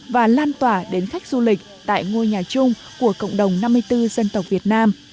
và lan tỏa đến khách du lịch tại ngôi nhà chung của cộng đồng năm mươi bốn dân tộc việt nam